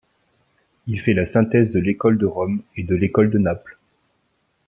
Il fait la synthèse de l'école de Rome et de l'école de Naples.